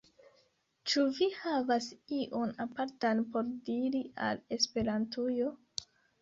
Ĉu vi havas ion apartan por diri al Esperantujo?